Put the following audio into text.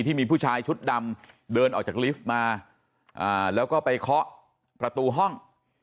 ที่มีผู้ชายชุดดำเดินออกจากลิฟต์มาแล้วก็ไปเคาะประตูห้อง